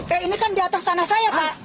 eh ini kan di atas tanah saya pak